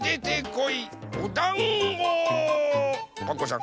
パクこさん。